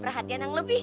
perhatian yang lebih